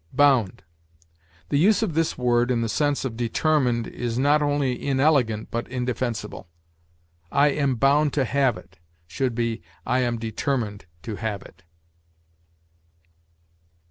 BOUND. The use of this word in the sense of determined is not only inelegant but indefensible. "I am bound to have it," should be, "I am determined to have it."